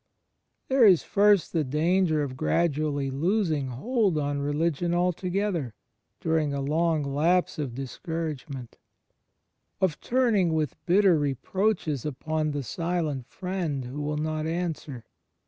There is first the danger of gradually losing hold on religion altogether, during a long lapse of discourage ment; of turning with bitter reproaches upon the silent Friend who will not answer.